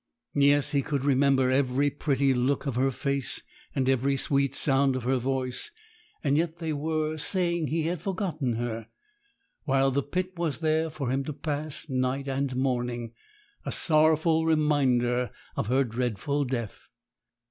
Yes, he could remember every pretty look of her face, and every sweet sound of her voice; yet they were saying he had forgotten her, while the pit was there for him to pass night and morning a sorrowful reminder of her dreadful death!